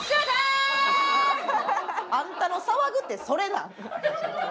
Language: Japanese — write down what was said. あんたの騒ぐってそれか？